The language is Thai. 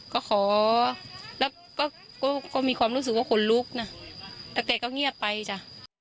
ก็ขอแล้วก็ก็มีความรู้สึกว่าขนลุกนะแล้วแกก็เงียบไปจ้ะ